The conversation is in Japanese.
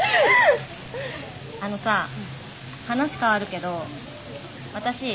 あのさ話変わるけど私